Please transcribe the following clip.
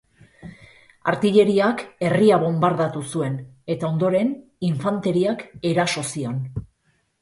Artilleriak herria bonbardatu zuen eta, ondoren, infanteriak eraso zion.